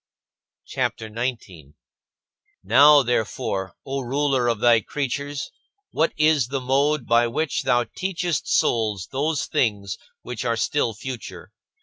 CHAPTER XIX 25. Now, therefore, O Ruler of thy creatures, what is the mode by which thou teachest souls those things which are still future?